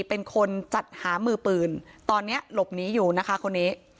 เป็นคนจัดหามือปืนตอนนี้หลบหนีอยู่นะคะคนนี้